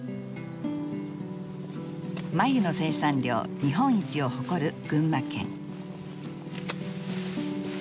繭の生産量日本一を誇る群馬県。